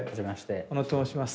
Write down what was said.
小野と申します。